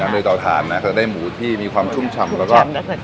ย่างด้วยเตาถาดนะคือได้หมูที่มีความชุ่มชำแล้วก็